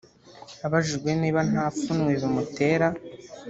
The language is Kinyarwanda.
Abajijwe niba nta pfunwe bimutera